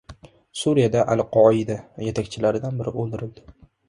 Suriyada “Al-Qoida” yetakchilaridan biri o‘ldirildi